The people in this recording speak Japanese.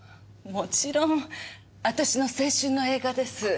もちろん私の青春の映画です。